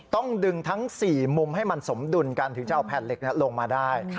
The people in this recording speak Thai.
ต้องดึงทั้ง๔มุมให้มันสมดุลกันถึงจะเอาแผ่นเหล็กลงมาได้